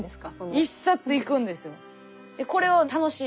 １冊いくんですよ。